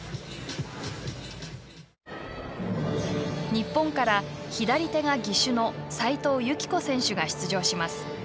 日本から左手が義手の齋藤由希子選手が出場します。